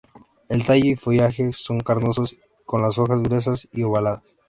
El tallo y follaje son carnosos, con las hojas gruesas y ovaladas.